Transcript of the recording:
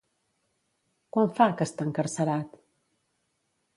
Quant fa que està encarcerat?